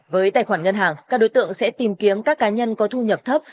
với tài khoản ngân hàng các đối tượng sẽ tìm kiếm các cá nhân có thu nhập thấp